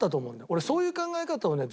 俺そういう考え方をね